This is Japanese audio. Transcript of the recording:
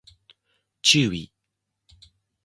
注意